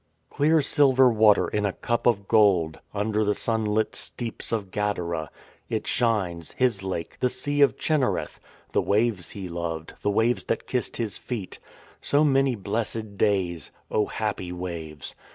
" Clear silver water in a cup of gold, Under the sunlit steeps of Gadara, It shines — His Lake — the Sea of Chinnereth — The waves He loved, the waves that kissed His feet So many blessed days. O happy waves